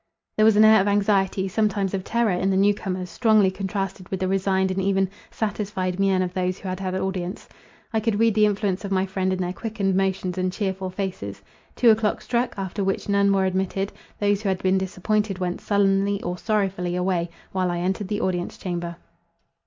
There was an air of anxiety, sometimes of terror in the new comers, strongly contrasted with the resigned and even satisfied mien of those who had had audience. I could read the influence of my friend in their quickened motions and cheerful faces. Two o'clock struck, after which none were admitted; those who had been disappointed went sullenly or sorrowfully away, while I entered the audience chamber.